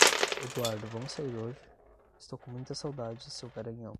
Eduardo, vamos sair hoje? Estou com muitas saudades seu garanhão.